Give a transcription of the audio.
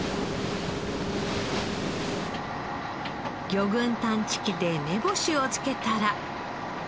魚群探知機で目星をつけたら。